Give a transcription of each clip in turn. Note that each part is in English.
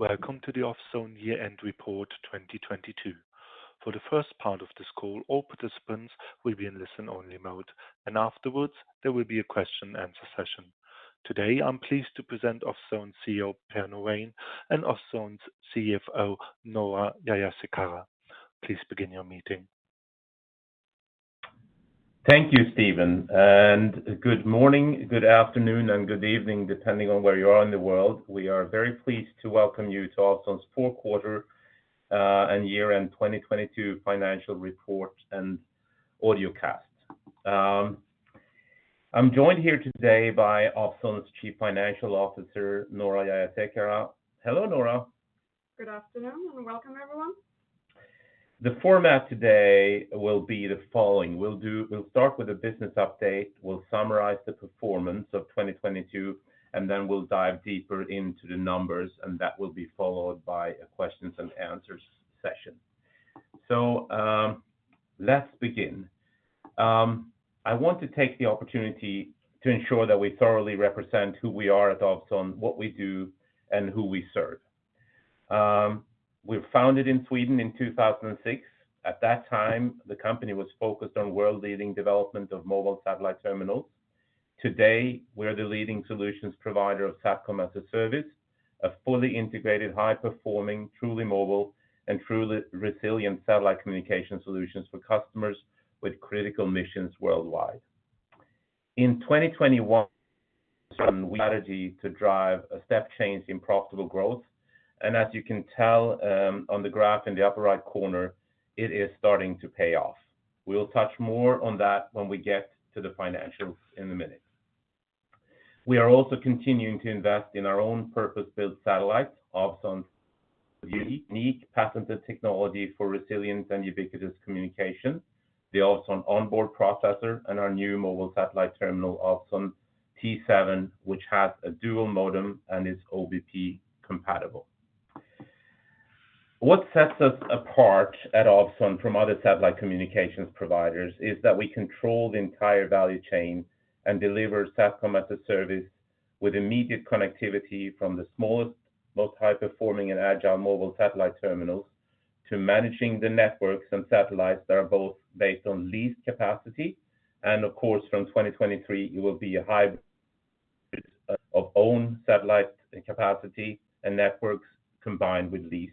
Welcome to the Ovzon Year-End Report 2022. For the first part of this call, all participants will be in listen-only mode, and afterwards, there will be a question answer session. Today, I'm pleased to present Ovzon CEO, Per Norén, and Ovzon's CFO, Noora Jayasekara. Please begin your meeting. Thank you, Steven. Good morning, good afternoon, and good evening, depending on where you are in the world. We are very pleased to welcome you to Ovzon's fourth quarter, and year-end 2022 financial report and audiocast. I'm joined here today by Ovzon's Chief Financial Officer, Noora Jayasekara. Hello, Nora. Good afternoon and welcome everyone. The format today will be the following. We'll start with a business update, we'll summarize the performance of 2022, and then we'll dive deeper into the numbers, and that will be followed by a questions and answers session. let's begin. I want to take the opportunity to ensure that we thoroughly represent who we are at Ovzon, what we do, and who we serve. We were founded in Sweden in 2006. At that time, the company was focused on world-leading development of mobile satellite terminals. Today, we're the leading solutions provider of SATCOM-as-a-Service, a fully integrated, high-performing, truly mobile and truly resilient satellite communication solutions for customers with critical missions worldwide. In 2021, strategy to drive a step change in profitable growth. As you can tell, on the graph in the upper right corner, it is starting to pay off. We'll touch more on that when we get to the financials in a minute. We are also continuing to invest in our own purpose-built satellites, Ovzon's unique patented technology for resilience and ubiquitous communication, the Ovzon On-Board-Processor, and our new mobile satellite terminal, Ovzon T7, which has a dual modem and is OBP compatible. What sets us apart at Ovzon from other satellite communications providers is that we control the entire value chain and deliver SATCOM-as-a-Service with immediate connectivity from the smallest, most high-performing and agile mobile satellite terminals to managing the networks and satellites that are both based on leased capacity and of course, from 2023, it will be a hybrid of owned satellite capacity and networks combined with leased.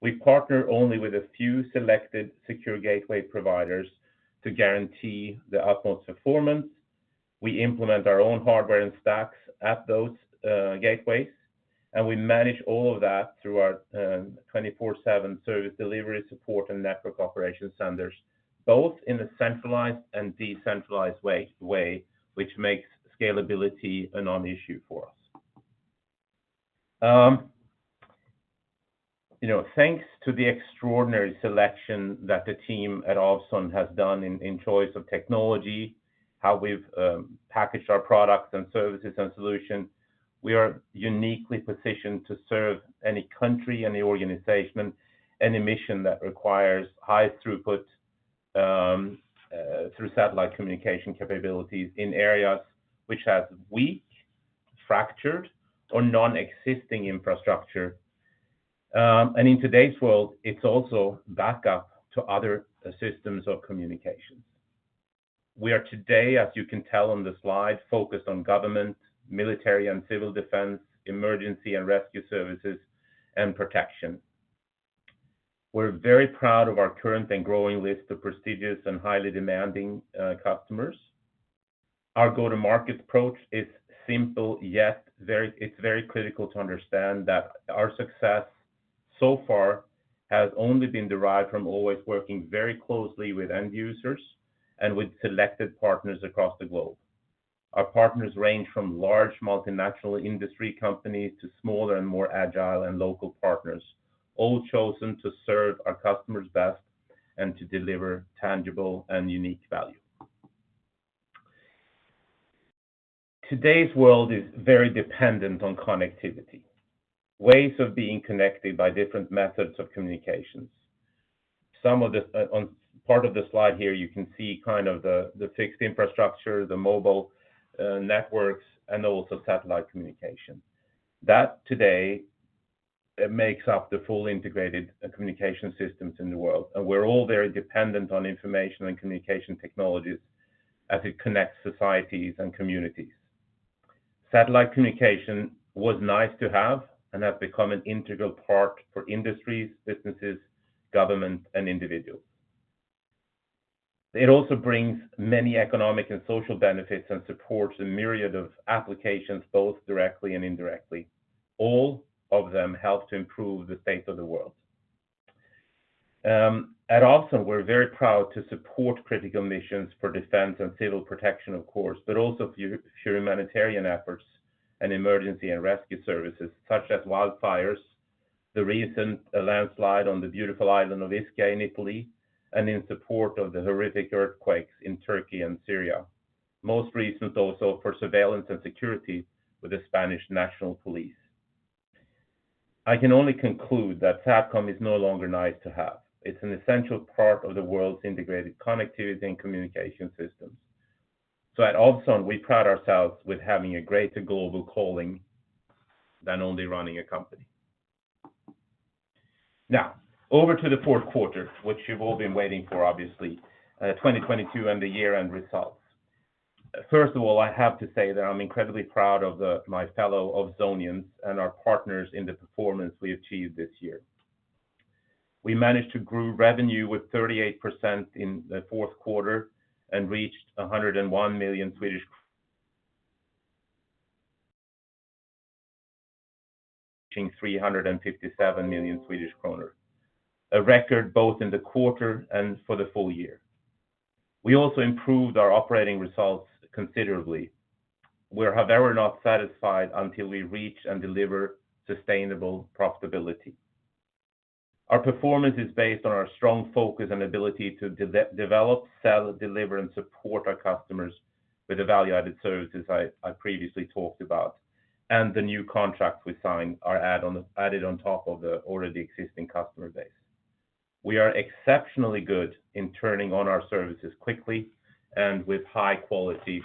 We partner only with a few selected secure gateway providers to guarantee the utmost performance. We implement our own hardware and stacks at those gateways, and we manage all of that through our 24/7 service delivery support and network operation centers, both in a centralized and decentralized way, which makes scalability a non-issue for us. You know, thanks to the extraordinary selection that the team at Ovzon has done in choice of technology, how we've packaged our products and services and solution, we are uniquely positioned to serve any country, any organization, any mission that requires high throughput through satellite communication capabilities in areas which have weak, fractured, or non-existing infrastructure. And in today's world, it's also backup to other systems of communications. We are today, as you can tell on the slide, focused on government, military and civil defense, emergency and rescue services, and protection. We're very proud of our current and growing list of prestigious and highly demanding customers. Our go-to-market approach is simple, yet it's very critical to understand that our success so far has only been derived from always working very closely with end users and with selected partners across the globe. Our partners range from large multinational industry companies to smaller and more agile and local partners, all chosen to serve our customers best and to deliver tangible and unique value. Today's world is very dependent on connectivity, ways of being connected by different methods of communications. Some of the, Part of the slide here, you can see kind of the fixed infrastructure, the mobile networks, and also satellite communication. That today makes up the fully integrated communication systems in the world. We're all very dependent on information and communication technologies as it connects societies and communities. Satellite communication was nice to have and has become an integral part for industries, businesses, government, and individuals. It also brings many economic and social benefits and supports a myriad of applications, both directly and indirectly. All of them help to improve the state of the world. At Ovzon, we're very proud to support critical missions for defense and civil protection, of course, but also humanitarian efforts and emergency and rescue services such as wildfires, the recent landslide on the beautiful island of Ischia in Italy, and in support of the horrific earthquakes in Turkey and Syria. Most recent also for surveillance and security with the Spanish National Police. I can only conclude that Satcom is no longer nice to have. It's an essential part of the world's integrated connectivity and communication systems. At Ovzon, we pride ourselves with having a greater global calling than only running a company. Over to the fourth quarter, which you've all been waiting for, obviously, 2022 and the year-end results. First of all, I have to say that I'm incredibly proud of my fellow Ovzonians and our partners in the performance we achieved this year. We managed to grow revenue with 38% in the fourth quarter and reached 101 million-357 million Swedish kronor, a record both in the quarter and for the full year. We also improved our operating results considerably. We're however not satisfied until we reach and deliver sustainable profitability. Our performance is based on our strong focus and ability to develop, sell, deliver, and support our customers with the value-added services I previously talked about. The new contracts we signed are added on top of the already existing customer base. We are exceptionally good in turning on our services quickly and with high quality.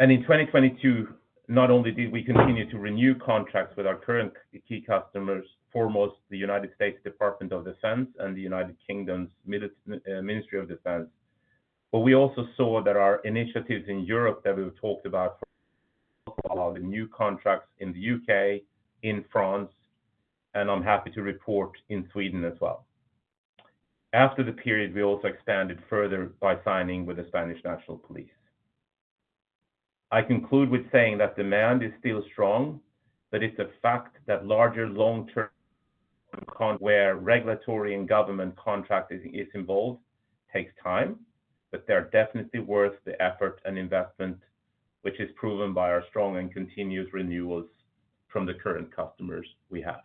In 2022, not only did we continue to renew contracts with our current key customers, foremost the United States Department of Defense and the United Kingdom's Ministry of Defence, but we also saw that our initiatives in Europe that we've talked about the new contracts in the UK, in France, and I'm happy to report in Sweden as well. After the period, we also expanded further by signing with the Spanish National Police. I conclude with saying that demand is still strong, but it's a fact that larger long-term where regulatory and government contract is involved, takes time, but they're definitely worth the effort and investment, which is proven by our strong and continued renewals from the current customers we have.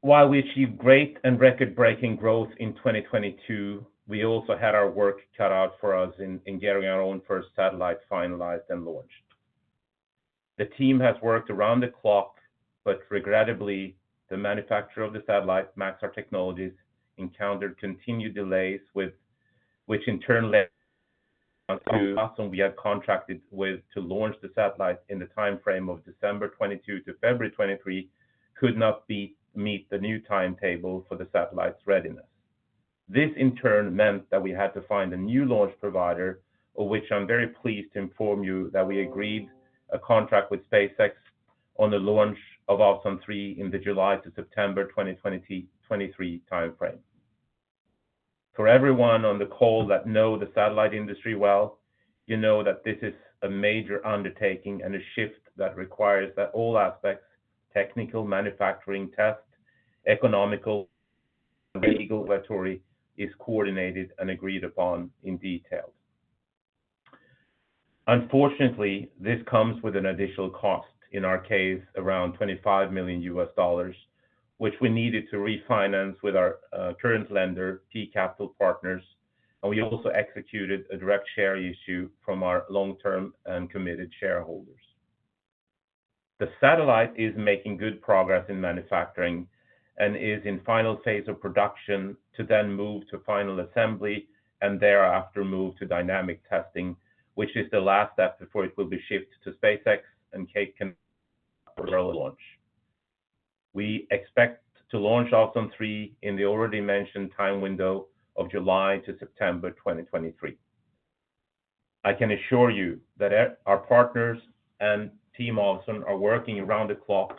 While we achieved great and record-breaking growth in 2022, we also had our work cut out for us in getting our own first satellite finalized and launched. The team has worked around the clock, but regrettably, the manufacturer of the satellite, Maxar Technologies, encountered continued delays with which in turn led to we had contracted with to launch the satellite in the time frame of December 2022 to February 2023 could not meet the new timetable for the satellite's readiness. This in turn meant that we had to find a new launch provider, of which I'm very pleased to inform you that we agreed a contract with SpaceX on the launch of Ovzon 3 in the July to September 2023 time frame. For everyone on the call that know the satellite industry well, you know that this is a major undertaking and a shift that requires that all aspects, technical, manufacturing, test, economical, regulatory, is coordinated and agreed upon in detail. Unfortunately, this comes with an additional cost, in our case, around $25 million, which we needed to refinance with our current lender, P Capital Partners, and we also executed a directed share issue from our long-term and committed shareholders. The satellite is making good progress in manufacturing and is in final phase of production to then move to final assembly and thereafter move to dynamic testing, which is the last step before it will be shipped to SpaceX and Cape Canaveral. We expect to launch Ovzon 3 in the already mentioned time window of July to September 2023. I can assure you that our partners and team Ovzon are working around the clock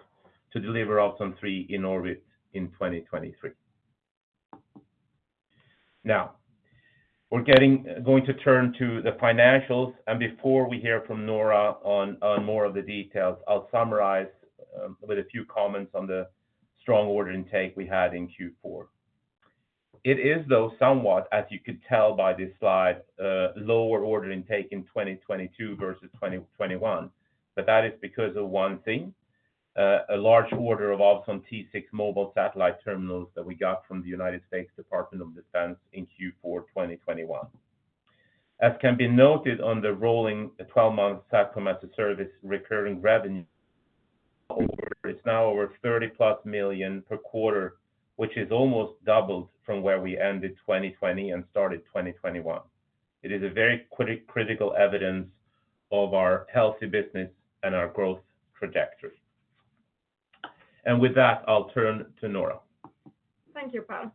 to deliver Ovzon 3 in orbit in 2023. We're going to turn to the financials, and before we hear from Noora on more of the details, I'll summarize with a few comments on the strong order intake we had in Q4. It is, though, somewhat, as you could tell by this slide, lower order intake in 2022 versus 2021. That is because of one thing, a large order of Ovzon T6 mobile satellite terminals that we got from the United States Department of Defense in Q4 2021. As can be noted on the rolling twelve-month SATCOM-as-a-Service recurring revenue, it's now over 30+ million per quarter, which is almost doubled from where we ended 2020 and started 2021. It is a very critical evidence of our healthy business and our growth trajectory. With that, I'll turn to Nora. Thank you, Per.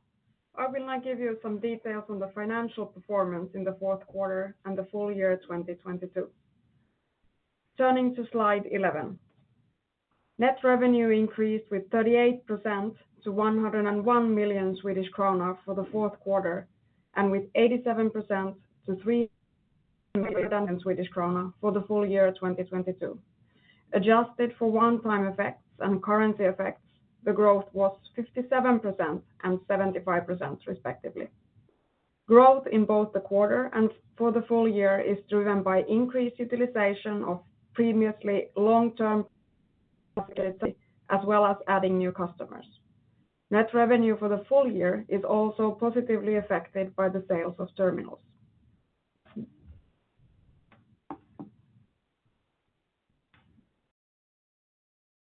I will now give you some details on the financial performance in the fourth quarter and the full year 2022. Turning to slide 11. Net revenue increased with 38% to 101 million Swedish kronor for the fourth quarter, and with 87% to 3 million Swedish kronor for the full year 2022. Adjusted for one-time effects and currency effects, the growth was 57% and 75% respectively. Growth in both the quarter and for the full year is driven by increased utilization of previously long-termAs well as adding new customers. Net revenue for the full year is also positively affected by the sales of terminals.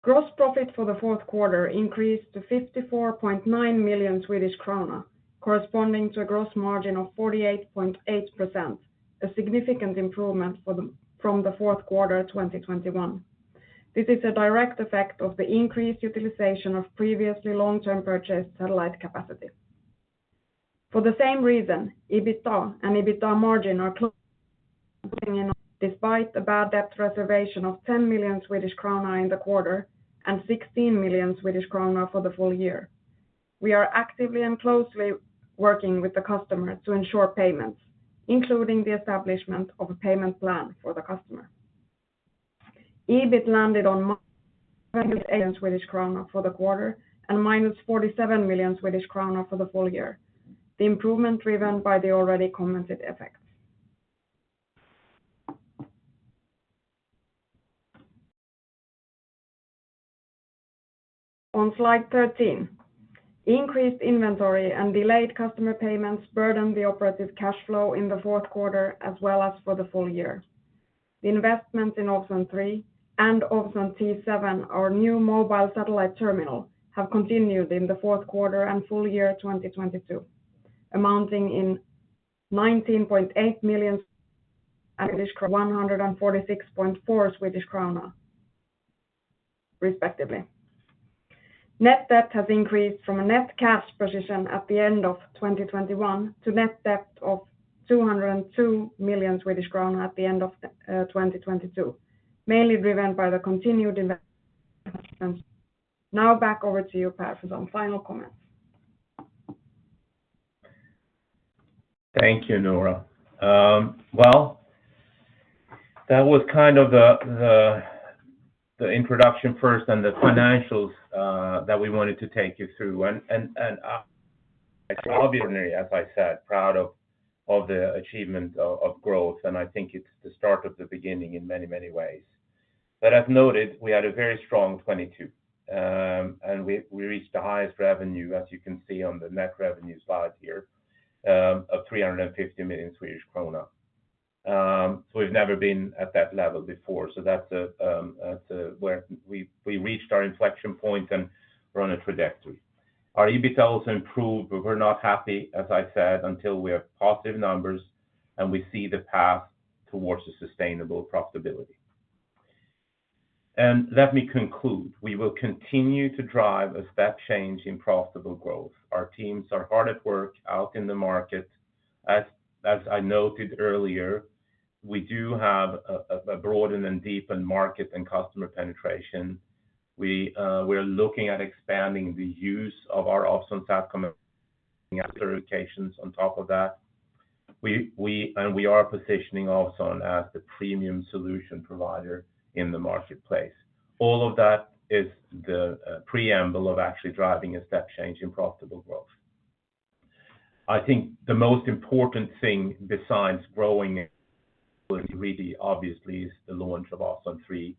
Gross profit for the fourth quarter increased to 54.9 million Swedish krona, corresponding to a gross margin of 48.8%, a significant improvement from the fourth quarter 2021. This is a direct effect of the increased utilization of previously long-term purchased satellite capacity. For the same reason, EBITDA and EBITDA margin are closing in despite a bad debt reserve of 10 million Swedish krona in the quarter and 16 million Swedish krona for the full year. We are actively and closely working with the customer to ensure payments, including the establishment of a payment plan for the customer. EBIT landed on minus 8 million Swedish krona for the quarter and minus 47 million Swedish krona for the full year. The improvement driven by the already commented effects. On Slide 13, increased inventory and delayed customer payments burdened the operative cash flow in the fourth quarter as well as for the full year. The investment in Ovzon 3 and Ovzon T7, our new mobile satellite terminal, have continued in the fourth quarter and full year 2022, amounting in 19.8 million Swedish kronor 146.4 Swedish kronor respectively. Net debt has increased from a net cash position at the end of 2021 to net debt of 202 million Swedish kronor at the end of 2022, mainly driven by the continued investment. Back over to you, Per, for some final comments. Thank you, Nora. Well, that was kind of the introduction first and the financials that we wanted to take you through. Extraordinary, as I said, proud of the achievement of growth, and I think it's the start of the beginning in many, many ways. As noted, we had a very strong 2022, and we reached the highest revenue, as you can see on the net revenue slide here, of 350 million Swedish krona. We've never been at that level before. That's a where we reached our inflection point and we're on a trajectory. Our EBIT also improved. We're not happy, as I said, until we have positive numbers and we see the path towards a sustainable profitability. Let me conclude. We will continue to drive a step change in profitable growth. Our teams are hard at work out in the market. As I noted earlier, we do have a broadened and deepened market and customer penetration. We're looking at expanding the use of our Ovzon SATCOM applications on top of that. We are positioning also on as the premium solution provider in the marketplace. All of that is the preamble of actually driving a step change in profitable growth. I think the most important thing besides growing really obviously is the launch of Ovzon 3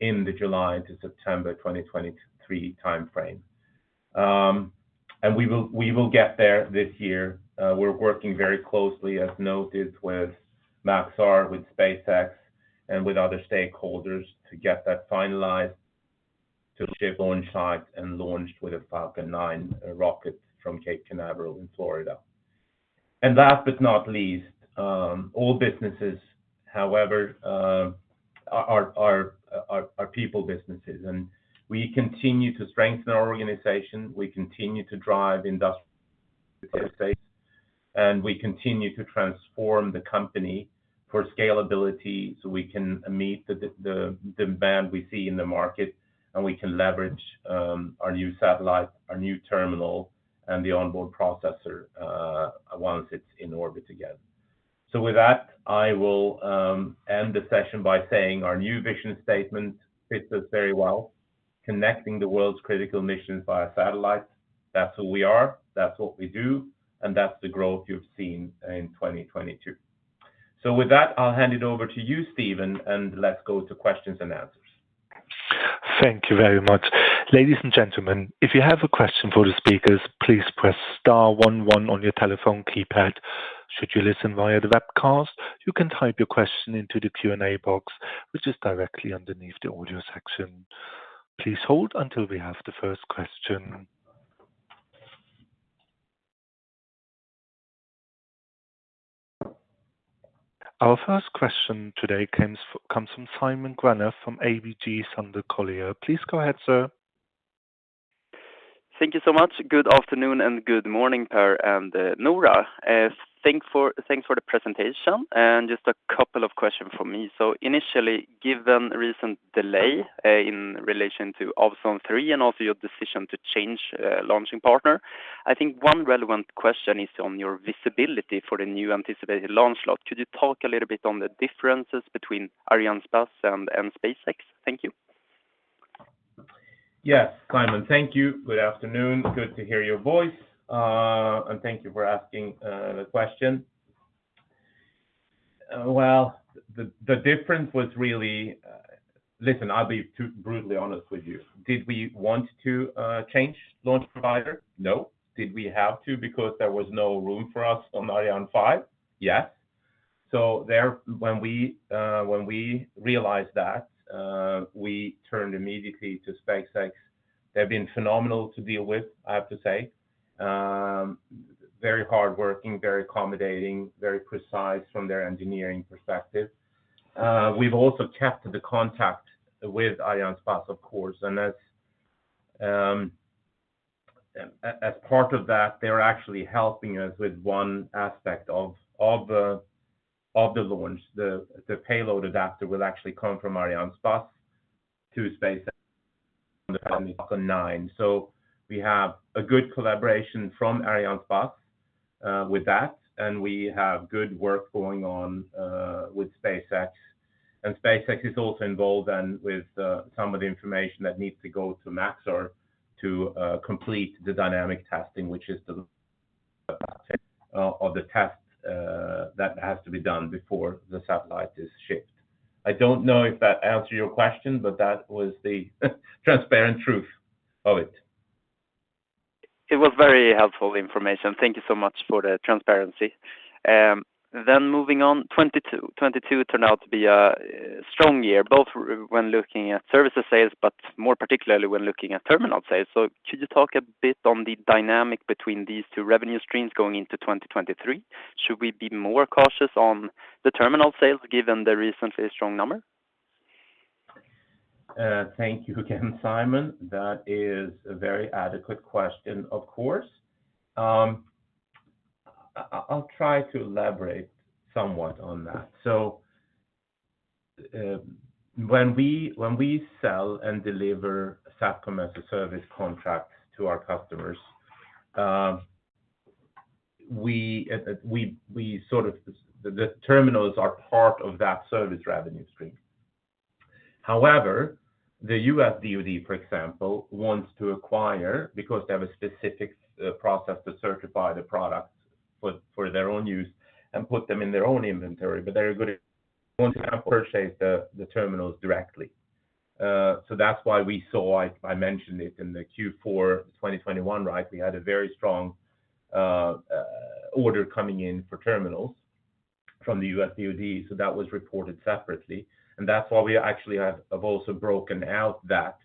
in the July to September 2023 timeframe. We will get there this year. We're working very closely, as noted, with Maxar, with SpaceX, and with other stakeholders to get that finalized to ship on site and launched with a Falcon 9 rocket from Cape Canaveral in Florida. Last but not least, all businesses, however, are people businesses, and we continue to strengthen our organization. We continue to drive industrial and we continue to transform the company for scalability, so we can meet the demand we see in the market, and we can leverage our new satellite, our new terminal, and the On-Board Processor once it's in orbit again. With that, I will end the session by saying our new vision statement fits us very well. Connecting the world's critical missions via satellite. That's who we are, that's what we do, and that's the growth you've seen in 2022. With that, I'll hand it over to you, Steven, and let's go to questions and answers. Thank you very much. Ladies and gentlemen, if you have a question for the speakers, please press star one one on your telephone keypad. Should you listen via the webcast, you can type your question into the Q&A box, which is directly underneath the audio section. Please hold until we have the first question. Our first question today comes from Tomas Gyland from ABG Sundal Collier. Please go ahead, sir. Thank you so much. Good afternoon and good morning, Per and Nora. Thanks for the presentation. Just a couple of questions from me. Initially, given recent delay, in relation to Ovzon 3 and also your decision to change launching partner, I think one relevant question is on your visibility for the new anticipated launch slot. Could you talk a little bit on the differences between Arianespace and SpaceX? Thank you. Yes, Simon. Thank you. Good afternoon. Good to hear your voice, and thank you for asking the question. The difference was really. Listen, I'll be too brutally honest with you. Did we want to change launch provider? No. Did we have to because there was no room for us on Ariane 5? Yes. When we realized that, we turned immediately to SpaceX. They've been phenomenal to deal with, I have to say. Very hardworking, very accommodating, very precise from their engineering perspective. We've also kept the contact with Arianespace, of course, and as part of that, they're actually helping us with one aspect of the launch. The payload adapter will actually come from Arianespace to SpaceX Falcon 9. We have a good collaboration from Arianespace with that, and we have good work going on with SpaceX. SpaceX is also involved in with some of the information that needs to go to Maxar to complete the dynamic testing, which is the of the test that has to be done before the satellite is shipped. I don't know if that answered your question, but that was the transparent truth of it. It was very helpful information. Thank you so much for the transparency. Moving on, 2022 turned out to be a strong year, both when looking at services sales, but more particularly when looking at terminal sales. Could you talk a bit on the dynamic between these two revenue streams going into 2023? Should we be more cautious on the terminal sales given the recently strong number? Thank you again, Tomas Gyland. That is a very adequate question, of course. I'll try to elaborate somewhat on that. When we sell and deliver SATCOM-as-a-Service contract to our customers, we sort of... The terminals are part of that service revenue stream. However, the U.S. DoD, for example, wants to acquire, because they have a specific process to certify the product for their own use and put them in their own inventory, but they're good want to purchase the terminals directly. That's why we saw, I mentioned it in the Q4 2021, right? We had a very strong order coming in for terminals from the U.S. DoD, that was reported separately. That's why we actually have also broken out that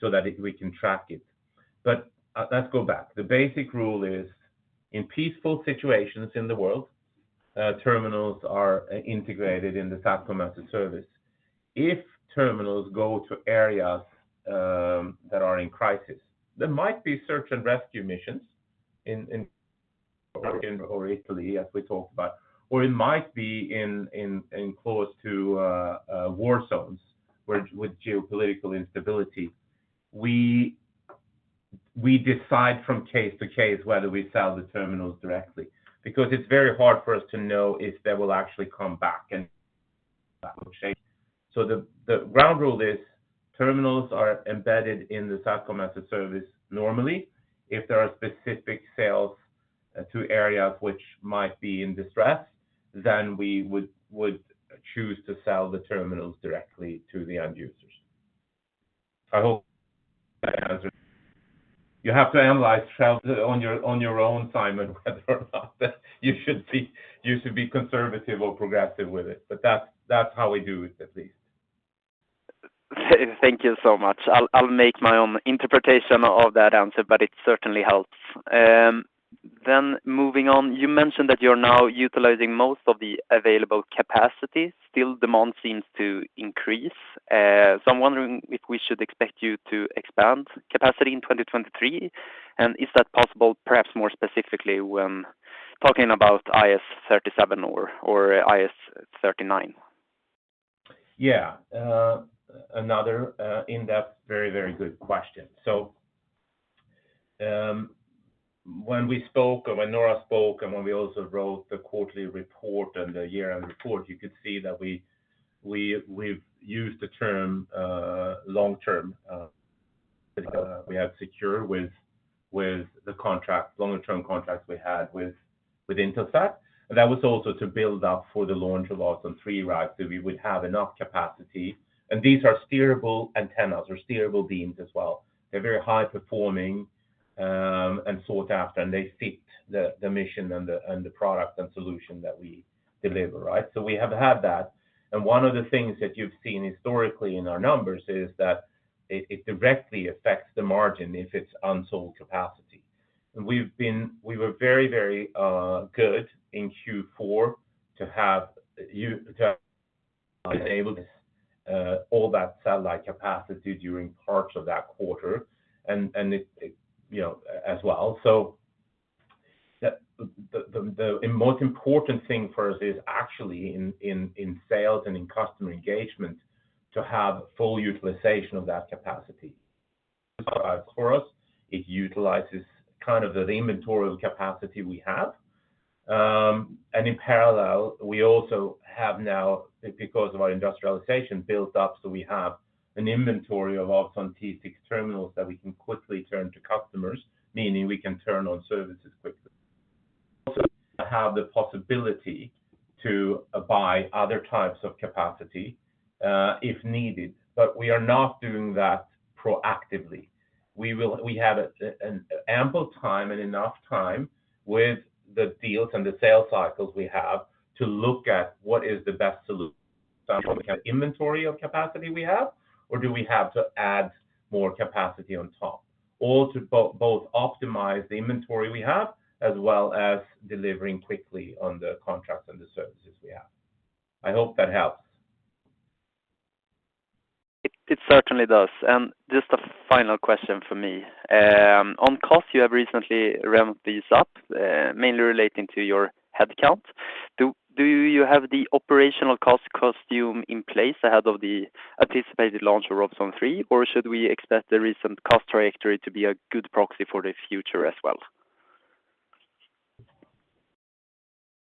so that we can track it. Let's go back. The basic rule is in peaceful situations in the world, terminals are integrated in the SATCOM-as-a-Service. If terminals go to areas that are in crisis, there might be search and rescue missions in Italy, as we talked about, or it might be in close to war zones with geopolitical instability. We decide from case to case whether we sell the terminals directly, because it's very hard for us to know if they will actually come back and. The ground rule is terminals are embedded in the SATCOM-as-a-Service normally. If there are specific sales to areas which might be in distress, then we would choose to sell the terminals directly to the end users. I hope that answered. You have to analyze yourself on your own, Simon, whether or not you should be conservative or progressive with it. That's how we do it, at least. Thank you so much. I'll make my own interpretation of that answer, but it certainly helps. Moving on, you mentioned that you're now utilizing most of the available capacity. Still, demand seems to increase. I'm wondering if we should expect you to expand capacity in 2023, and is that possible perhaps more specifically when talking about IS-37 or IS-39? Another in-depth very, very good question. When we spoke, or when Noora spoke, and when we also wrote the quarterly report and the year-end report, you could see that we've used the term long-term, we have secure with the contract, longer term contracts we had with Intelsat. That was also to build up for the launch of Ovzon 3, right? We would have enough capacity. These are steerable antennas or steerable beams as well. They're very high performing, and sought after, and they fit the mission and the product and solution that we deliver, right? We have had that. One of the things that you've seen historically in our numbers is that it directly affects the margin if it's unsold capacity. And we've been... We were very good in Q4 to have enabled all that satellite capacity during parts of that quarter. It, you know, as well. The most important thing for us is actually in sales and in customer engagement to have full utilization of that capacity. For us, it utilizes kind of the inventorial capacity we have. In parallel, we also have now, because of our industrialization built up, so we have an inventory of Ovzon T6 terminals that we can quickly turn to customers, meaning we can turn on services quickly. Also have the possibility to buy other types of capacity, if needed, but we are not doing that proactively. We have an ample time and enough time with the deals and the sales cycles we have to look at what is the best solution. Do we have inventory of capacity we have, or do we have to add more capacity on top or to both optimize the inventory we have, as well as delivering quickly on the contracts and the services we have? I hope that helps. It certainly does. Just a final question for me. On cost, you have recently ramped these up, mainly relating to your headcount. Do you have the operational cost costume in place ahead of the anticipated launch of Ovzon 3, or should we expect the recent cost trajectory to be a good proxy for the future as well?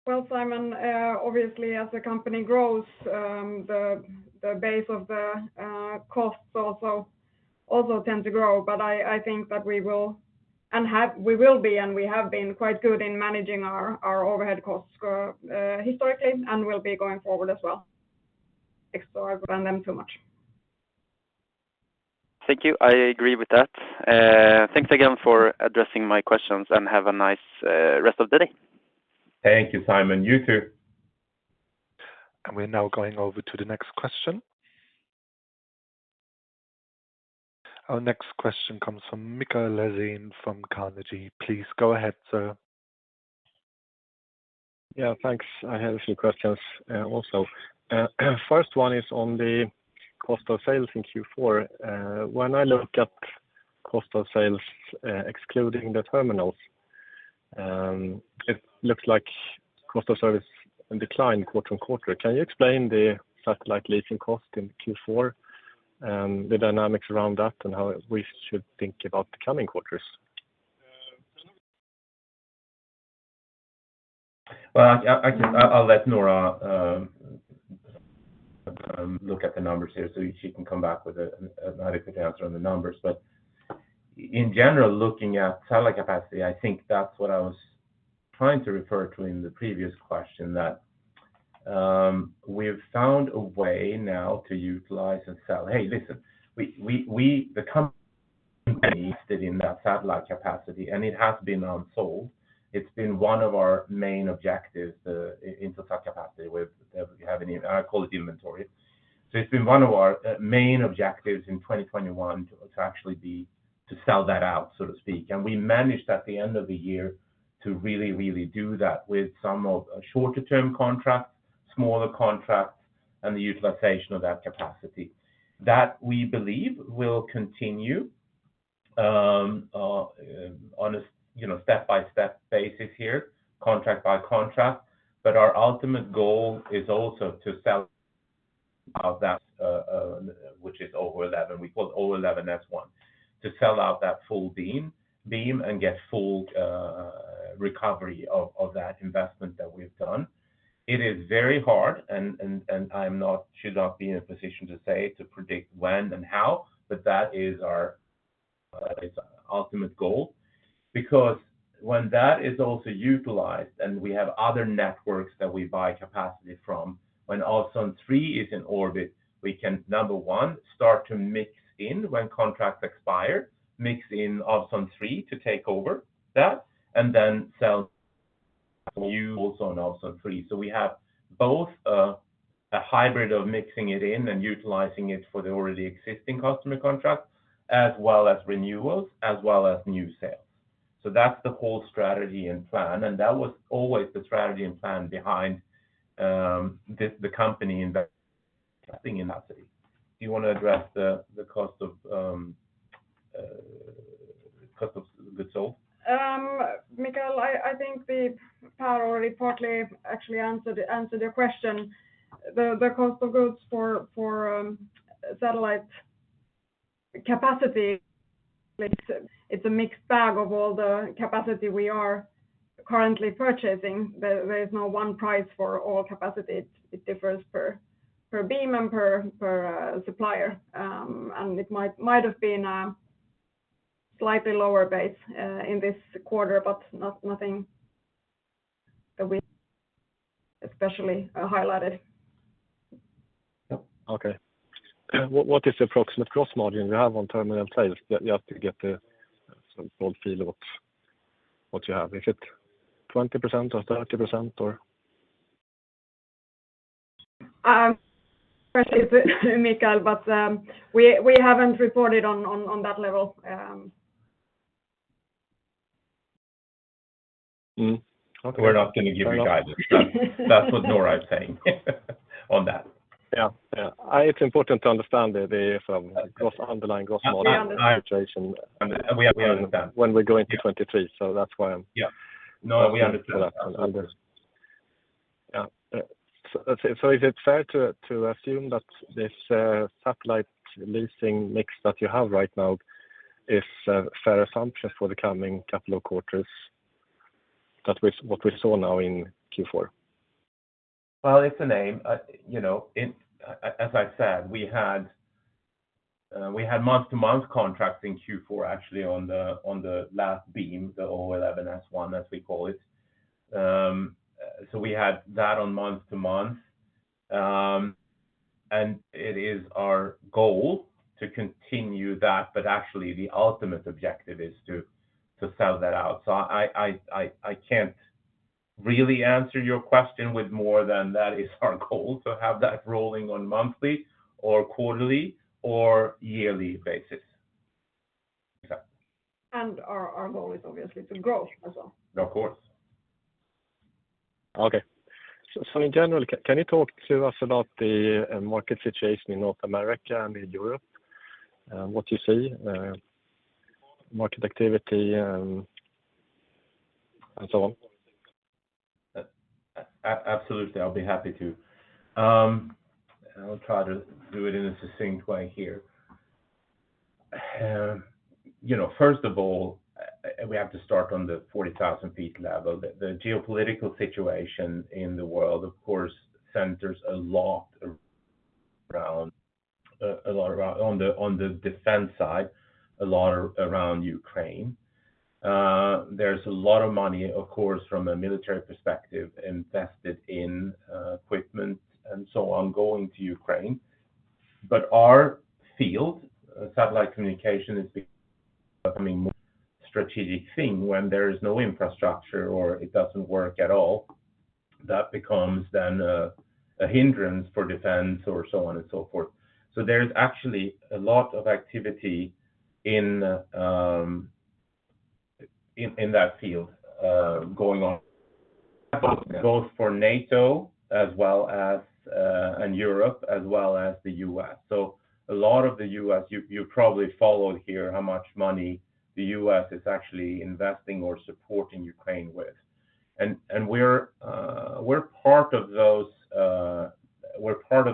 Well, Tomas, obviously, as the company grows, the base of the costs also tend to grow. I think that we will be, and we have been quite good in managing our overhead costs, historically, and will be going forward as well. Explore them too much. Thank you. I agree with that. Thanks again for addressing my questions, and have a nice, rest of the day. Thank you, Simon. You too. We're now going over to the next question. Our next question comes from Mikael Laséen from Carnegie. Please go ahead, sir. Yeah, thanks. I have a few questions also. First one is on the cost of sales in Q4. When I look at cost of sales, excluding the terminals, it looks like cost of service in decline quarter and quarter. Can you explain the satellite leasing cost in Q4 and the dynamics around that and how we should think about the coming quarters? I'll let Noora look at the numbers here, she can come back with an adequate answer on the numbers. In general, looking at satellite capacity, I think that's what I was trying to refer to in the previous question, that we've found a way now to utilize and sell. Hey, listen, The company invested in that satellite capacity, it has been unsold. It's been one of our main objectives into such capacity. I call it inventory. It's been one of our main objectives in 2021 to sell that out, so to speak. We managed at the end of the year to really do that with some of shorter term contracts, smaller contracts, and the utilization of that capacity. That we believe will continue, you know, on a step-by-step basis here, contract by contract. Our ultimate goal is also to sell out that, which is O11S1. We call it O11S1. To sell out that full beam and get full recovery of that investment that we've done. It is very hard and I should not be in a position to say, to predict when and how, but that is our ultimate goal. When that is also utilized and we have other networks that we buy capacity from, when Ovzon 3 is in orbit, we can, number 1, start to mix in when contracts expire, mix in Ovzon 3 to take over that, and then sell new also on Ovzon 3. We have both a hybrid of mixing it in and utilizing it for the already existing customer contracts, as well as renewals, as well as new sales. That's the whole strategy and plan, and that was always the strategy and plan behind the company investing in that city. Do you wanna address the cost of goods sold? Mikael Löwgren, I think the power already partly answered your question. The cost of goods for satellite capacity, it's a mixed bag of all the capacity we are currently purchasing. There is no one price for all capacity. It differs per beam and per supplier. It might have been a slightly lower base in this quarter, but nothing that we especially highlighted. Okay. What is the approximate gross margin you have on terminal sales? Just to get a full feel of what you have. Is it 20% or 30% or? Especially to Mikael, we haven't reported on that level. Mm. Okay. We're not gonna give you guidance. That's what Noora is saying on that. Yeah. Yeah. It's important to understand the gross, underlying gross margin situation. We understand. when we go into 2023. That's why. Yeah. No, we understand. Yeah. Is it fair to assume that this satellite leasing mix that you have right now is a fair assumption for the coming couple of quarters what we saw now in Q4? Well, it's a name. You know, As I said, we had month-to-month contracts in Q4 actually on the last beam, the O11S1 as we call it. We had that on month-to-month. It is our goal to continue that, but actually the ultimate objective is to sell that out. I can't really answer your question with more than that is our goal, to have that rolling on monthly or quarterly or yearly basis. Yeah. Our goal is obviously to grow as well. Of course. Okay. In general, can you talk to us about the market situation in North America and in Europe? What you see, market activity, and so on. Absolutely. I'll be happy to. I'll try to do it in a succinct way here. You know, first of all, we have to start on the 40,000 feet level. The geopolitical situation in the world, of course, centers a lot around on the defense side, around Ukraine. There's a lot of money, of course, from a military perspective invested in equipment and so on going to Ukraine. Our field, satellite communications is becoming more strategic thing when there is no infrastructure or it doesn't work at all. That becomes then a hindrance for defense or so on and so forth. There's actually a lot of activity in that field going on both for NATO as well as Europe as well as the U.S. A lot of the US, you probably followed here how much money the US is actually investing or supporting Ukraine with. We're part of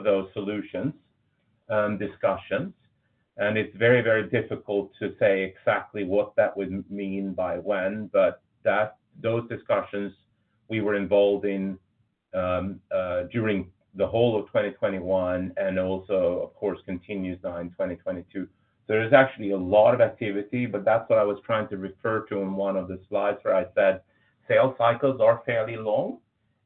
those solutions discussions, it's very, very difficult to say exactly what that would mean by when. That, those discussions we were involved in during the whole of 2021 and also, of course, continues now in 2022. There is actually a lot of activity, but that's what I was trying to refer to in one of the slides where I said sale cycles are fairly long.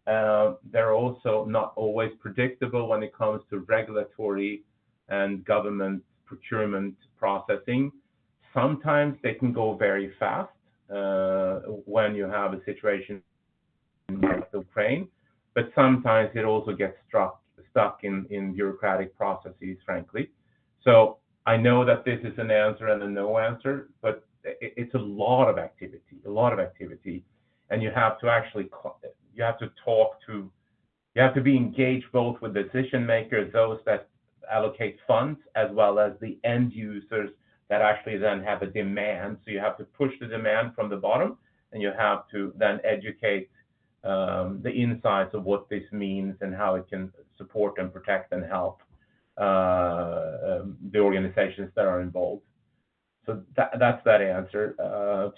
They're also not always predictable when it comes to regulatory and government procurement processing. Sometimes they can go very fast when you have a situation like Ukraine, but sometimes it also gets stuck in bureaucratic processes, frankly. I know that this is an answer and a no answer, it's a lot of activity. You have to actually be engaged both with decision makers, those that allocate funds, as well as the end users that actually then have a demand. You have to push the demand from the bottom, you have to then educate the insights of what this means and how it can support and protect and help the organizations that are involved. That, that's that answer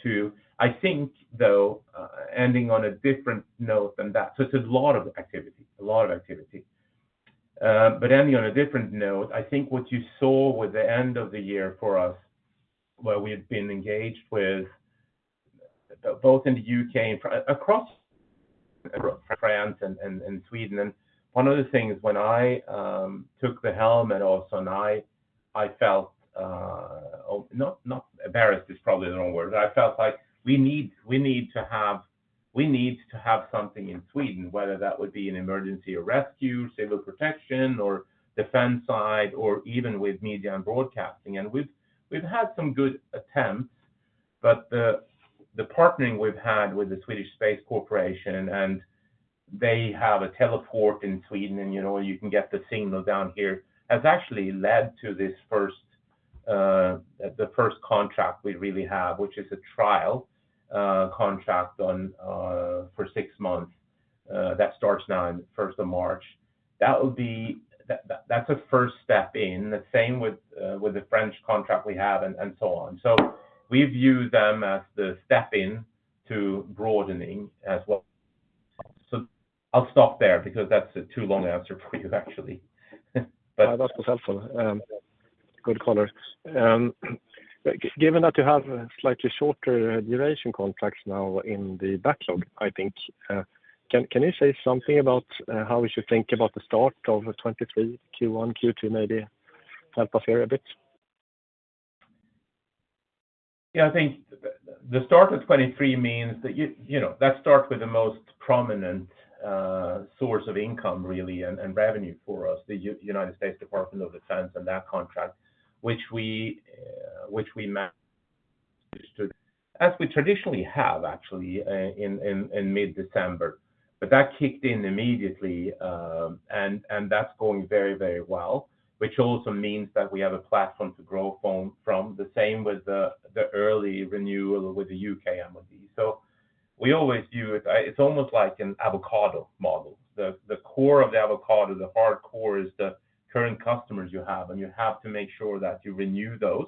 to I think, though, ending on a different note than that. It's a lot of activity. Ending on a different note, I think what you saw with the end of the year for us, where we had been engaged with both in the UK and across France and Sweden. One of the things when I took the helm at Ovzon, I felt, not Embarrassed is probably the wrong word. I felt like we need to have something in Sweden, whether that would be an emergency or rescue, civil protection or defense side, or even with media and broadcasting. We've had some good attempts, but the partnering we've had with the Swedish Space Corporation, and they have a teleport in Sweden and, you know, you can get the signal down here, has actually led to the first contract we really have, which is a trial contract on for six months that starts now in first of March. That's a first step in. The same with the French contract we have and so on. We view them as the step in to broadening as well. I'll stop there because that's a too long answer for you actually. That was helpful. Good color. Given that you have slightly shorter duration contracts now in the backlog, I think, can you say something about how we should think about the start of 2023 Q1, Q2, maybe? Help us here a bit. I think the start of 23 means that you know, that starts with the most prominent source of income really and revenue for us, the United States Department of Defense and that contract, which we managed to, as we traditionally have actually, in mid-December. That kicked in immediately, and that's going very well, which also means that we have a platform to grow from. The same with the early renewal with the UK MoD. We always view it. It's almost like an avocado model. The core of the avocado, the hard core is the current customers you have, and you have to make sure that you renew those.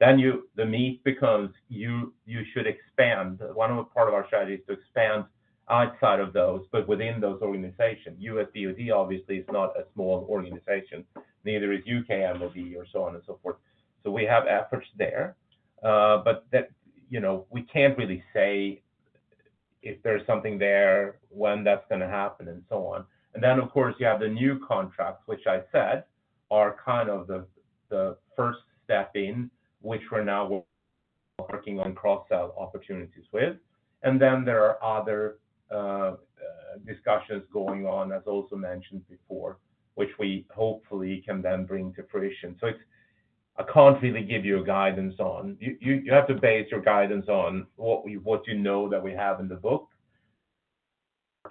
Then you, the meat becomes you should expand. One of the part of our strategy is to expand outside of those, but within those organizations. U.S. DoD obviously is not a small organization. Neither is UK MoD or so on and so forth. We have efforts there. You know, we can't really say if there's something there, when that's gonna happen, and so on. Of course, you have the new contracts, which I said are kind of the first step in which we're now working on cross-sell opportunities with. There are other discussions going on, as also mentioned before, which we hopefully can then bring to fruition. I can't really give you a guidance on. You have to base your guidance on what you know that we have in the book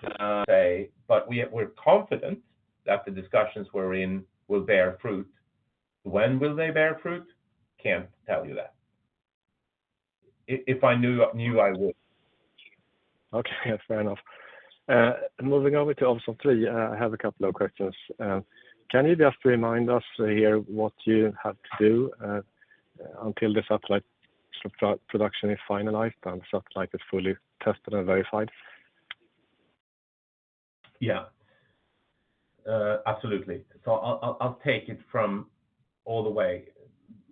to say, but we are, we're confident that the discussions we're in will bear fruit. When will they bear fruit? Can't tell you that. If I knew I would. Okay. Fair enough. Moving over to Ovzon 3, I have a couple of questions. Can you just remind us here what you have to do until the satellite production is finalized and the satellite is fully tested and verified? Yeah. Absolutely. I'll, I'll take it from all the way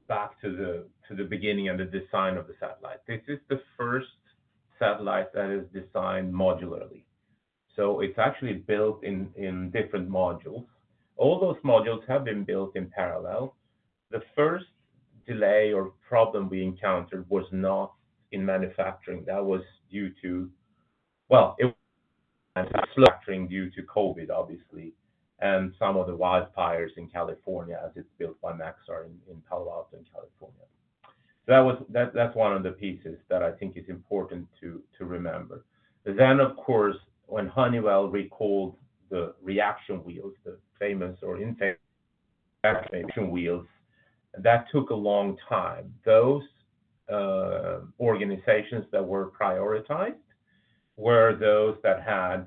back to the, to the beginning of the design of the satellite. This is the first satellite that is designed modularly. It's actually built in different modules. All those modules have been built in parallel. The first delay or problem we encountered was not in manufacturing. That was due to manufacturing due to COVID obviously, and some of the wildfires in California, as it's built by Maxar in Palo Alto in California. That was, that's one of the pieces that I think is important to remember. Of course, when Honeywell recalled the reaction wheels, the famous or infamous reaction wheels, that took a long time. Those organizations that were prioritized were those that had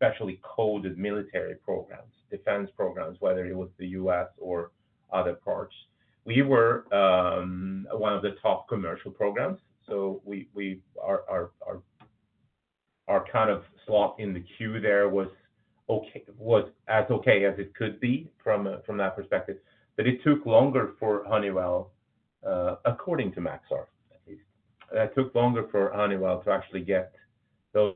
especially coded military programs, defense programs, whether it was the U.S. or other parts. We were one of the top commercial programs. We our kind of slot in the queue there was as okay as it could be from a, from that perspective. It took longer for Honeywell, according to Maxar at least, it took longer for Honeywell to actually get those.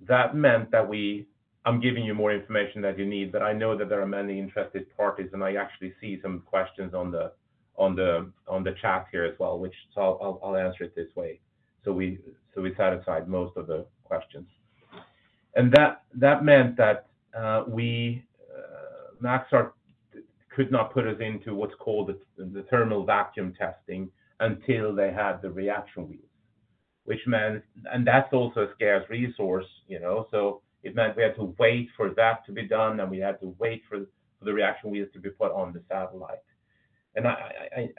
That meant that we. I'm giving you more information than you need, but I know that there are many interested parties, and I actually see some questions on the chat here as well, which so I'll answer it this way so we satisfy most of the questions. That meant that we Maxar could not put us into what's called the thermal vacuum testing until they had the reaction wheels. That's also a scarce resource, you know? It meant we had to wait for that to be done, and we had to wait for the reaction wheels to be put on the satellite.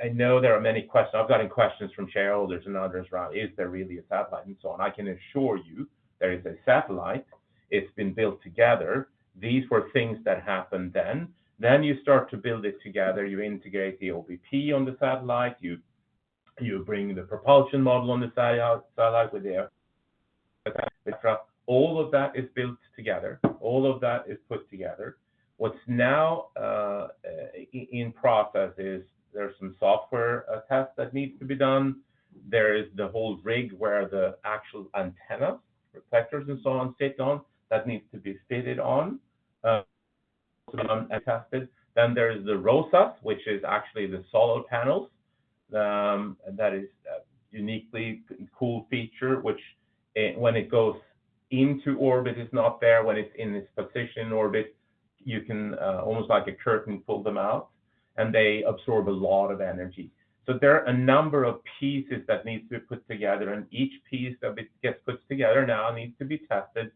I know there are many questions. I've gotten questions from shareholders and others around is there really a satellite and so on. I can assure you there is a satellite. It's been built together. These were things that happened then. You start to build it together. You integrate the OBP on the satellite. You bring the propulsion model on the satellite with the. All of that is built together. All of that is put together. What's now in process is there's some software tests that needs to be done. There is the whole rig where the actual antenna, reflectors and so on sit on, that needs to be fitted on and tested. There is the ROSA, which is actually the solar panels. That is a uniquely cool feature, which it, when it goes into orbit, it's not there. When it's in its position orbit, you can almost like a curtain, pull them out, and they absorb a lot of energy. There are a number of pieces that needs to be put together, and each piece of it gets put together now and needs to be tested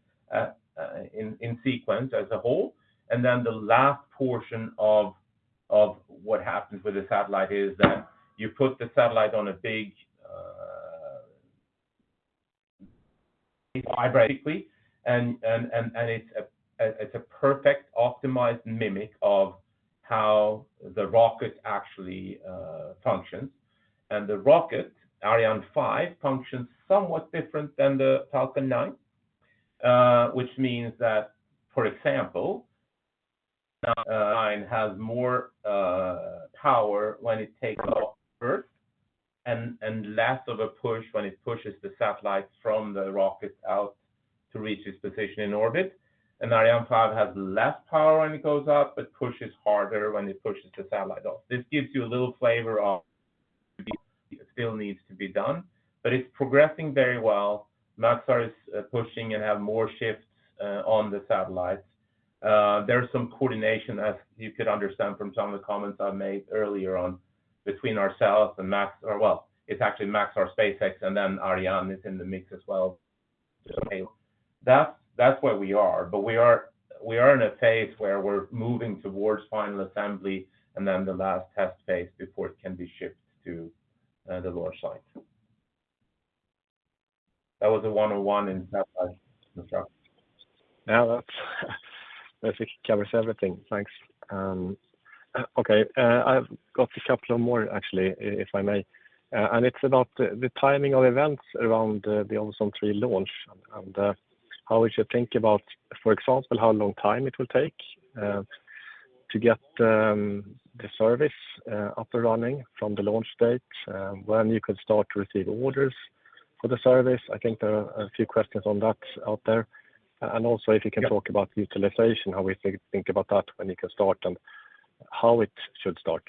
in sequence as a whole. The last portion of what happens with the satellite is that you put the satellite on a big. It's a perfect optimized mimic of how the rocket actually functions. The rocket, Ariane 5, functions somewhat different than the SpaceX Falcon 9. Which means that, for example, SpaceX Falcon 9 has more power when it takes off first and less of a push when it pushes the satellite from the rocket out to reach its position in orbit. Ariane 5 has less power when it goes up, but pushes harder when it pushes the satellite off. This gives you a little flavor of... still needs to be done, but it's progressing very well. Maxar is pushing and have more shifts on the satellite. There's some coordination, as you could understand from some of the comments I made earlier on between ourselves and well, it's actually Maxar, SpaceX, and then Ariane is in the mix as well. That's where we are, but we are in a phase where we're moving towards final assembly and then the last test phase before it can be shipped to the launch site. That was the one-on-one in that lab. Yeah, that's I think it covers everything. Thanks. Okay. I've got a couple of more actually, if I may, and it's about the timing of events around the O3 launch and how we should think about, for example, how long time it will take to get the service up and running from the launch date, when you can start to receive orders for the service. I think there are a few questions on that out there. Also, if you can talk about utilization, how we think about that, when you can start and how it should start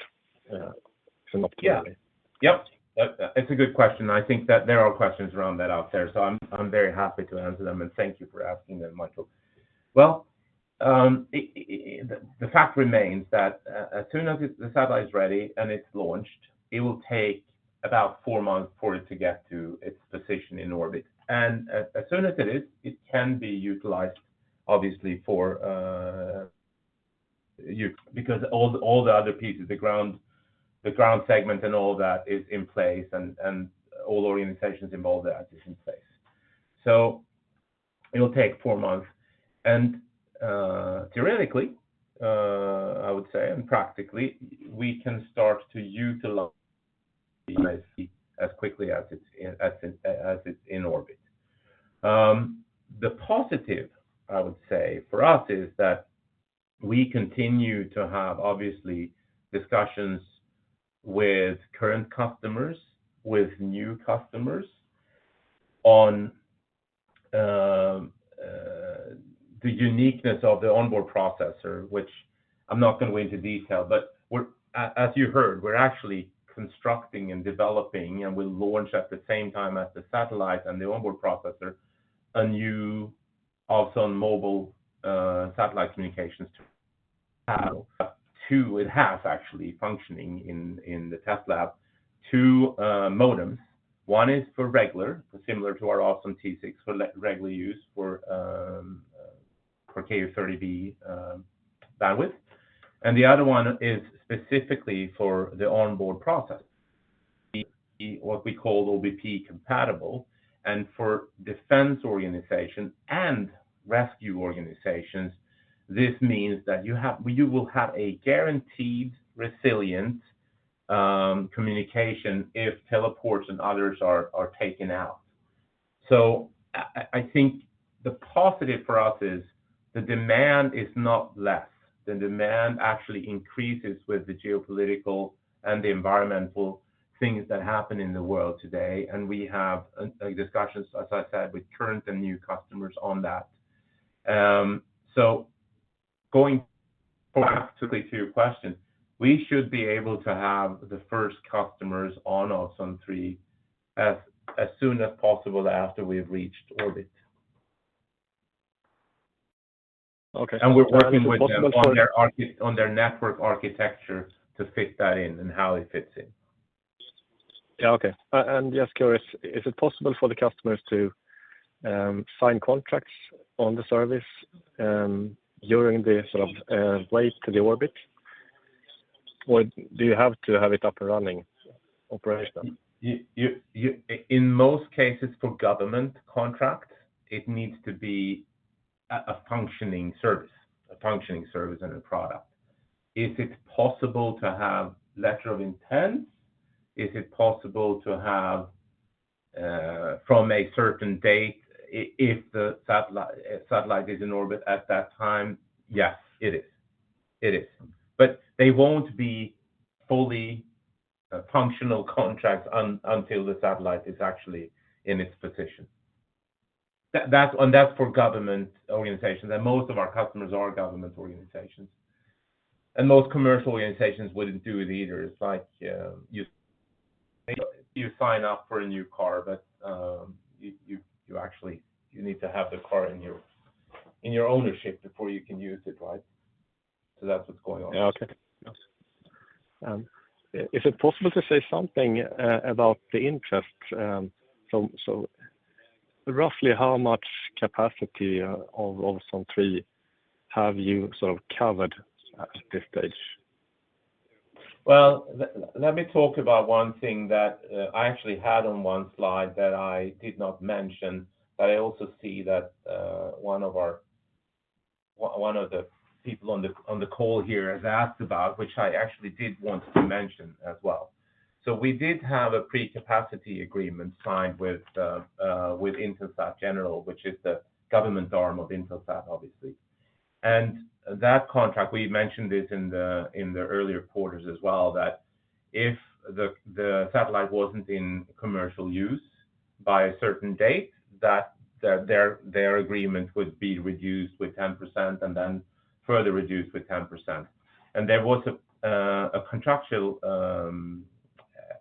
in an optimal way? Yeah. Yep. That... It's a good question, and I think that there are questions around that out there, so I'm very happy to answer them, and thank you for asking them, Mikael. Well, the fact remains that as soon as the satellite's ready and it's launched, it will take about four months for it to get to its position in orbit. As soon as it is, it can be utilized obviously for because all the other pieces, the ground segment, and all that is in place and all organizations involved there is in place. So it'll take four months. Theoretically, I would say, and practically, we can start to utilize as quickly as it's in orbit. The positive I would say for us is that we continue to have, obviously, discussions with current customers, with new customers on the uniqueness of the On-Board Processor, which I'm not going to go into detail, but we're as you heard, we're actually constructing and developing, and we'll launch at the same time as the satellite and the On-Board Processor, a new Ovzon mobile satellite communications to have two and a half actually functioning in the test lab, two modems. One is for regular, similar to our Ovzon T6 for regular use for Ku-band bandwidth, and the other one is specifically for the On-Board Processor, what we call OBP compatible. For defense organizations and rescue organizations, this means that you will have a guaranteed resilient communication if teleports and others are taken out. I think the positive for us is the demand is not less. The demand actually increases with the geopolitical and the environmental things that happen in the world today, and we have discussions, as I said, with current and new customers on that. Going practically to your question, we should be able to have the first customers on O3 as soon as possible after we've reached orbit. Okay. Is it possible? We're working with them on their network architecture to fit that in and how it fits in. Yeah. Okay. Just curious, is it possible for the customers to sign contracts on the service during the sort of way to the orbit? Do you have to have it up and running operation? You... In most cases, for government contract, it needs to be a functioning service and a product. If it's possible to have letter of intent, if it's possible to have from a certain date, if the satellite is in orbit at that time, yes, it is. It is. They won't be fully functional contracts until the satellite is actually in its position. That's for government organizations, and most of our customers are government organizations. Most commercial organizations wouldn't do it either. It's like you sign up for a new car, you actually need to have the car in your ownership before you can use it, right? That's what's going on. Yeah. Okay. Yes. Is it possible to say something about the interest? Roughly how much capacity of Ovzon 3 have you sort of covered at this stage? Well, let me talk about one thing that I actually had on one slide that I did not mention, but I also see that one of our, one of the people on the call here has asked about, which I actually did want to mention as well. We did have a pre-capacity agreement signed with Inmarsat Government, which is the government arm of Inmarsat obviously. That contract, we mentioned it in the earlier quarters as well, that if the satellite wasn't in commercial use by a certain date, that their agreement would be reduced with 10% and then further reduced with 10%. There was a contractual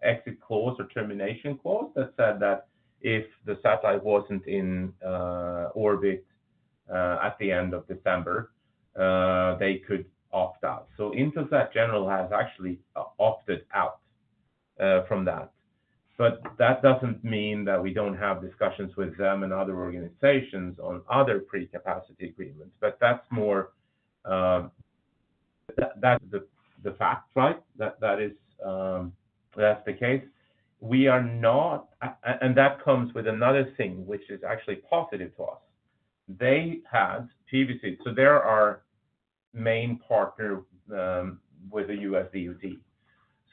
exit clause or termination clause that said that if the satellite wasn't in orbit at the end of December, they could opt out. Inmarsat Government has actually opted out from that. That doesn't mean that we don't have discussions with them and other organizations on other pre-capacity agreements, but that's more, that's the fact, right? That is, that's the case. We are not. That comes with another thing which is actually positive to us. They had IGC, so they're our main partner with the U.S. DoD.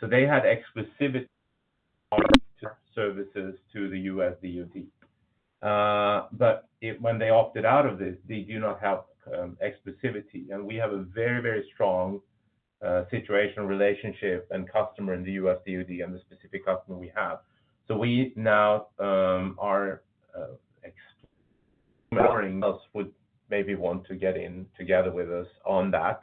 They had exclusivity services to the U.S. DoD. When they opted out of this, they do not have exclusivity. We have a very, very strong situation, relationship, and customer in the U.S. DoD, and the specific customer we have. We now are exploring else would maybe want to get in together with us on that,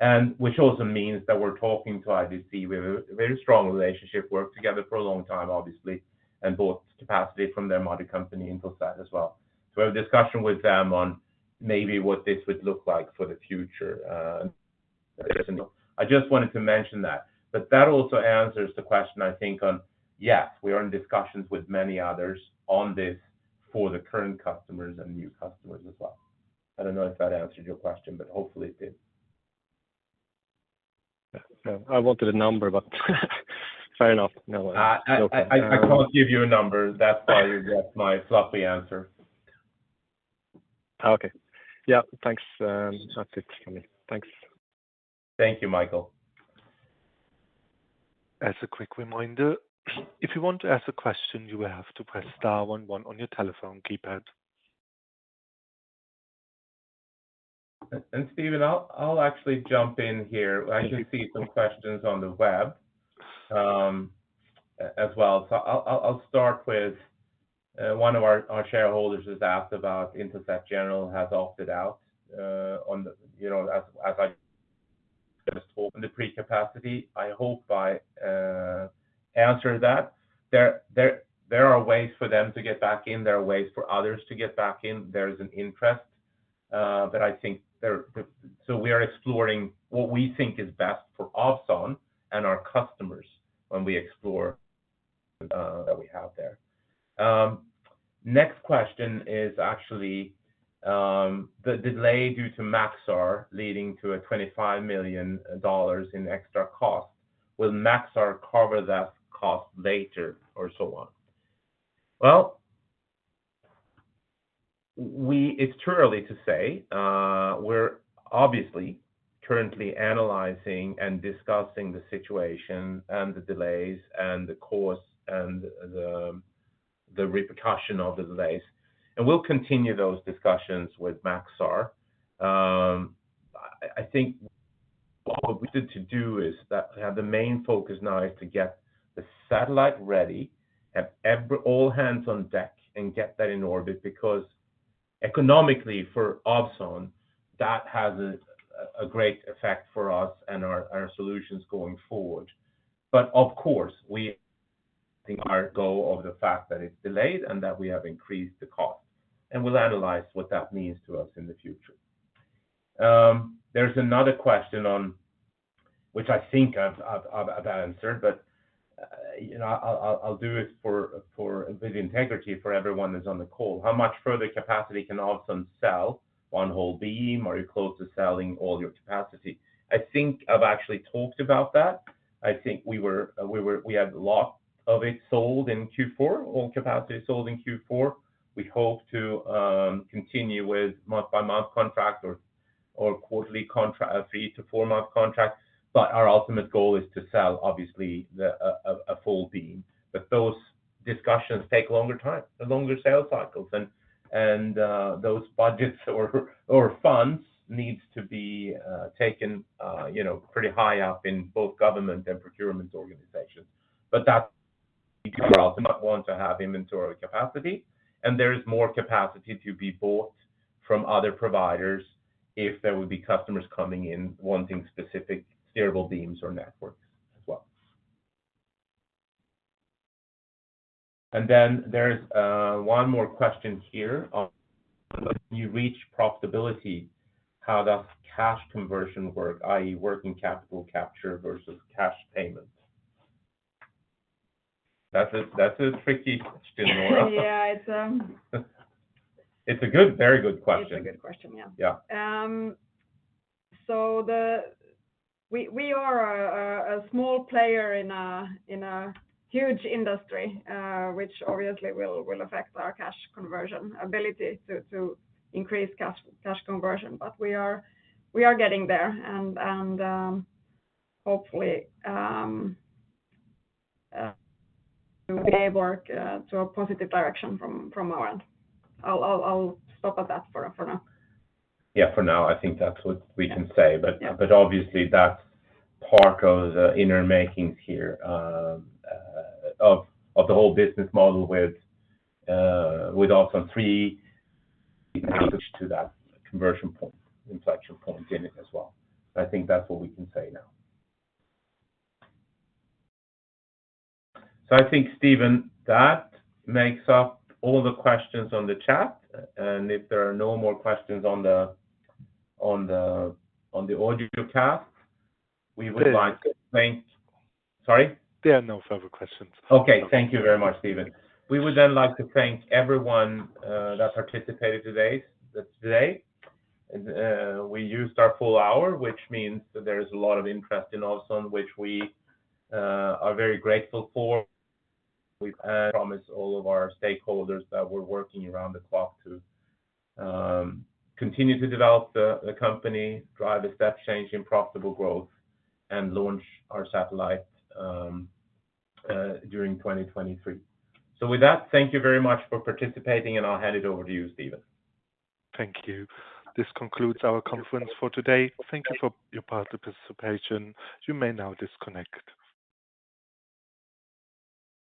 and which also means that we're talking to IBC. We have a very strong relationship, worked together for a long time, obviously, and bought capacity from them, other company, Intelsat as well. We have a discussion with them on maybe what this would look like for the future. I just wanted to mention that. That also answers the question, I think, on, yes, we are in discussions with many others on this for the current customers and new customers as well. I don't know if that answered your question, but hopefully it did. Yeah. I wanted a number, but fair enough. No worry. I can't give you a number. That's why you got my sloppy answer. Okay. Yeah. Thanks. That's it from me. Thanks. Thank you, Mikael. As a quick reminder, if you want to ask a question, you will have to press star one one on your telephone keypad. Steven, I'll actually jump in here. I can see some questions on the web as well. I'll start with one of our shareholders has asked about Intelsat General has opted out. You know, as I was hoping to pre-capacity. I hope by answer that. There are ways for them to get back in. There are ways for others to get back in. There is an interest. We are exploring what we think is best for Ovzon and our customers when we explore that we have there. Next question is actually the delay due to Maxar leading to a $25 million in extra cost. Will Maxar cover that cost later or so on? It's too early to say. We're obviously currently analyzing and discussing the situation and the delays and the cost and the repercussion of the delays, we'll continue those discussions with Maxar. I think what we need to do is that, have the main focus now is to get the satellite ready, have all hands on deck and get that in orbit. Economically for Ovzon, that has a great effect for us and our solutions going forward. Of course, we think our goal of the fact that it's delayed and that we have increased the cost, we'll analyze what that means to us in the future. There's another question on... which I think I've answered, but, you know, I'll do it for the integrity for everyone that's on the call. How much further capacity can Ovzon sell? One whole beam? Are you close to selling all your capacity? I think I've actually talked about that. I think we had a lot of it sold in Q4, all capacity sold in Q4. We hope to continue with month-by-month contract or quarterly contract, three to four-month contract. Our ultimate goal is to sell obviously a full beam. Those discussions take longer time, longer sales cycles and those budgets or funds needs to be taken, you know, pretty high up in both government and procurement organizations. That's want to have inventory capacity, and there is more capacity to be bought from other providers if there would be customers coming in wanting specific steerable beams or networks as well. There is one more question here. When you reach profitability, how does cash conversion work, i.e. working capital capture versus cash payment? That's a tricky question, Noora. Yeah. It's. It's a good, very good question. It's a good question. Yeah. Yeah. We are a small player in a huge industry, which obviously will affect our cash conversion ability to increase cash conversion. We are getting there, and hopefully we work to a positive direction from our end. I'll stop at that for now. Yeah, for now, I think that's what we can say. Yeah. Obviously that's part of the inner makings here, of the whole business model with Ovzon 3 to that conversion point, inflection point in it as well. I think that's what we can say now. I think, Steven, that makes up all the questions on the chat. If there are no more questions on the audio cast, we would like to thank... There- Sorry? There are no further questions. Okay. Thank you very much, Steven. We would like to thank everyone that participated today. We used our full hour, which means that there is a lot of interest in Ovzon, which we are very grateful for. We promise all of our stakeholders that we're working around the clock to continue to develop the company, drive a step change in profitable growth, and launch our satellite during 2023. With that, thank you very much for participating, and I'll hand it over to you, Steven. Thank you. This concludes our conference for today. Thank you for your participation. You may now disconnect.